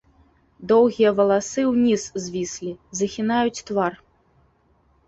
Доўгія валасы ўніз звіслі, захінаюць твар.